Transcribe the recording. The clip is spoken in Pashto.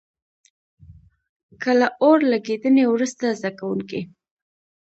که له اور لګېدنې وروسته زده کوونکي.